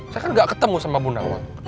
saya kan gak ketemu sama ibu nawang